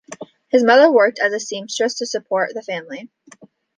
His mother worked as a seamstress, to support the family.